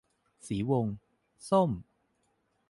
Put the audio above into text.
สีวง : ส้ม